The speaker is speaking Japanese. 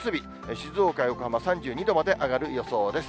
静岡、横浜３２度まで上がる予想です。